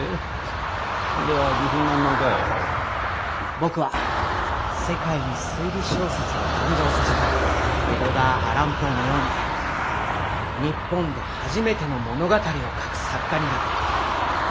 僕は世界に推理小説を誕生させたエドガー・アラン・ポーのように日本で初めての物語を書く作家になる。